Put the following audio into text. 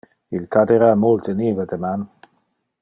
Il cadera multe nive deman.